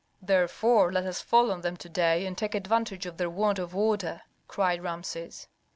"Therefore let us fall on them to day and take advantage of their want of order," cried Rameses.